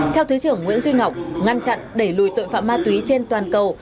theo thứ trưởng nguyễn duy ngọc ngăn chặn đẩy lùi tội phạm ma túy trên toàn cầu